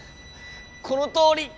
このとおり！